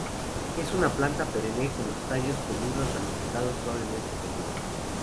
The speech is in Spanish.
Es una planta perenne con los tallos peludos, ramificados, suavemente peludos.